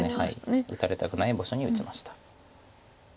打たれたくない場所に打ちました。